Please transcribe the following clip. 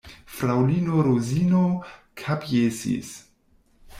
Fraŭlino Rozino kapjesis.